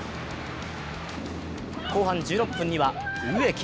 後半１６分には植木。